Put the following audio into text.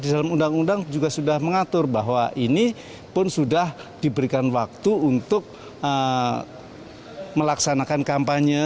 di dalam undang undang juga sudah mengatur bahwa ini pun sudah diberikan waktu untuk melaksanakan kampanye